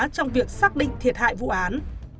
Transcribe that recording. trong việc xác định thiệt hại vụ án